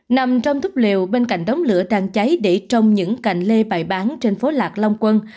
nằm trong thúc liều bên cạnh đóng lửa đang cháy để trông những cạnh lê bài bán trên phố lạc long quân